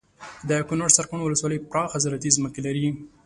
دکنړ سرکاڼو ولسوالي پراخه زراعتي ځمکې لري